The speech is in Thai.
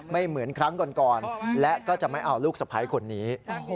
เหมือนครั้งก่อนและก็จะไม่เอาลูกสะพ้ายคนนี้